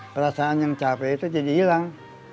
perasaan yang capek itu jadi hilang